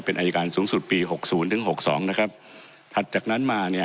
เป็นอายการสูงสุดปีหกศูนย์ถึงหกสองนะครับถัดจากนั้นมาเนี่ย